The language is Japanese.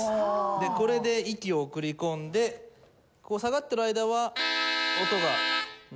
これで息を送り込んで下がっている間は音が鳴ります。